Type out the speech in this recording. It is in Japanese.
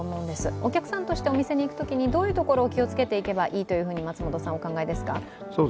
お客さんとしてお店に行くときにどういうところを気をつけていけばいいと考えてらっしゃいますか？